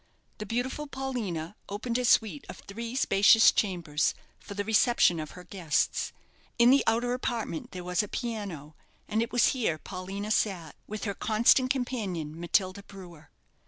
The beautiful Paulina opened a suite of three spacious chambers for the reception of her guests. In the outer apartment there was a piano; and it was here Paulina sat with her constant companion, Matilda Brewer.